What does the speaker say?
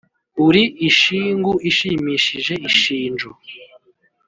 Uri ishingu ishimishije ishinjo